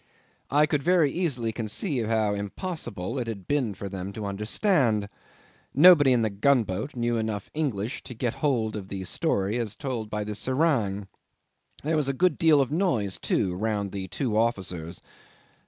I could very easily conceive how impossible it had been for them to understand. Nobody in the gunboat knew enough English to get hold of the story as told by the serang. There was a good deal of noise, too, round the two officers.